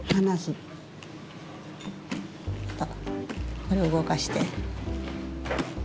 これをうごかして。